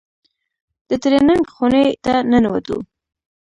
د ټرېننگ خونې ته ننوتو.